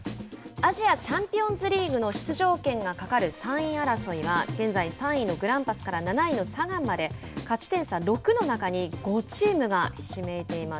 アジアチャンピオンズリーグの出場権が懸かる３位争いは現在３位のグランパスから７位のサガンまで勝ち点差６の中に５チームが、ひしめいています。